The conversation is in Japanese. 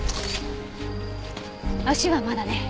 足はまだね。